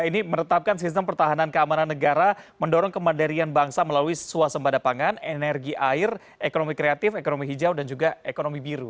ini meretapkan sistem pertahanan keamanan negara mendorong kemandirian bangsa melalui suasembada pangan energi air ekonomi kreatif ekonomi hijau dan juga ekonomi biru